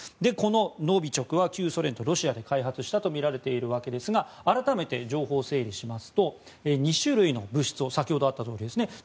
このノビチョクは旧ソ連とロシアで開発したとみられているわけですが改めて情報を整理しますと２種類の物質を先ほどあったとおりですね